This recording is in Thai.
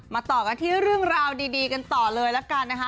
ต่อกันที่เรื่องราวดีกันต่อเลยละกันนะคะ